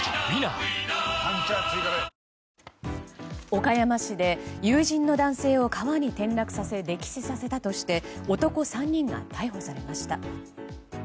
岡山市で友人の男性を川に転落させ溺死させたとして男３人が逮捕されました。